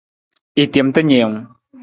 I tem ta niiwung.